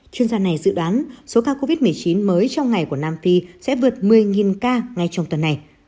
chuyên gia này dự đoán số ca covid một mươi chín mới trong ngày của nam phi sẽ vượt một mươi ca ngay trong tuần này